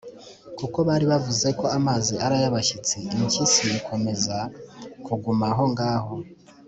kuko bari bavuze ko amazi ari ay’abashyitsi, impyisi ikomeza kuguma aho ngaho.